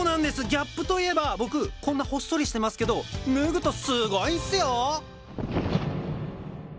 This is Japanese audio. ギャップといえば僕こんなほっそりしてますけど脱ぐとすごいんすよ！